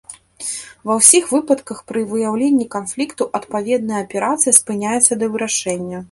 Ва ўсіх выпадках пры выяўленні канфлікту адпаведная аперацыя спыняецца да вырашэння.